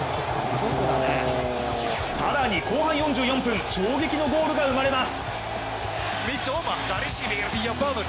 更に後半４４分衝撃のゴールが生まれます。